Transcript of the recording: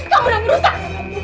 kamu udah ngerusak